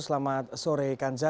selamat sore kanza